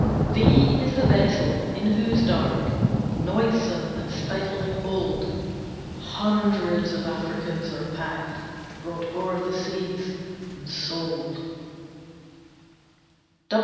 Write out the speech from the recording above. V V is the Vessel, in whose dark, Noisome, and stifling hold, Hundreds of Africans are packed, Brought o'er the seas, and sold.